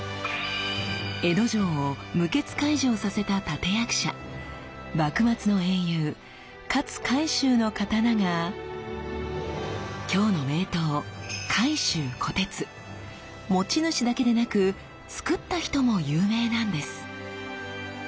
江戸城を無血開城させた立て役者幕末の英雄勝海舟の刀がきょうの名刀持ち主だけでなくつくった人も有名なんです。